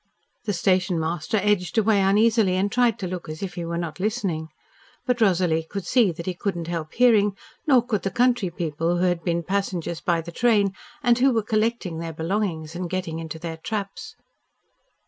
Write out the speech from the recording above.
The station master edged away uneasily and tried to look as if he were not listening. But Rosalie could see that he could not help hearing, nor could the country people who had been passengers by the train and who were collecting their belongings and getting into their traps.